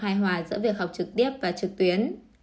hài hòa giữa việc học trực tiếp và trực tuyến